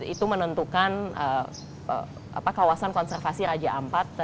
itu menentukan kawasan konservasi raja ampat